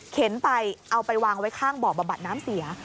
ไปเอาไปวางไว้ข้างบ่อบำบัดน้ำเสีย